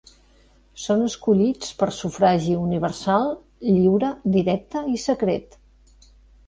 Són escollits per sufragi universal, lliure, directe i secret.